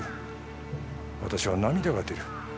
私は涙が出る。